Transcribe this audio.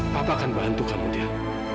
papa akan bantu kamu dia